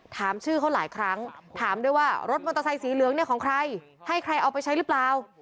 ถามชื่อเขาหลายครั้งถามด้วยว่ารถมอเตอร์ไซสีเหลืองเนี่ยของใครให้ใครเอาไปใช้หรือเปล่า